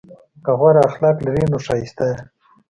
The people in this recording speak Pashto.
که غوره اخلاق لرې نو ښایسته یې!